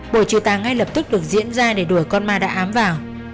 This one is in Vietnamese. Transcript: bộ trừ tà ngay lập tức được diễn ra để đuổi con ma đã ám vào